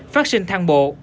phát sinh thang bộ